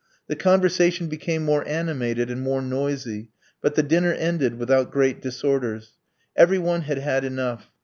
The conversation became more animated and more noisy, but the dinner ended without great disorders. Every one had had enough.